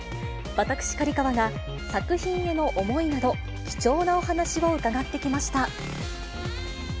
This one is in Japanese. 私、刈川が作品への思いなど、貴重なお話を伺ってきました。